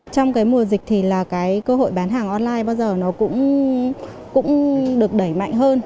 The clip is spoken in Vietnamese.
trong mùa dịch cơ hội bán hàng online bao giờ cũng được đẩy mạnh hơn